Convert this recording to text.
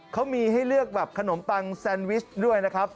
เขามีให้เลือกแบบขนมปังแซนวิชด้วยนะครับ